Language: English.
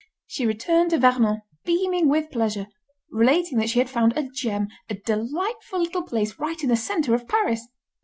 She returned to Vernon beaming with pleasure, relating that she had found a gem, a delightful little place right in the centre of Paris.